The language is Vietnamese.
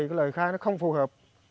nhưng vì lời khai nó không phù hợp